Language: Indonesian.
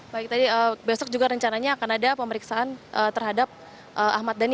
baik tadi besok juga rencananya akan ada pemeriksaan terhadap ahmad dhani